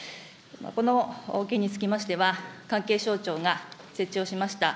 この件につきましては、関係省庁が設置をしました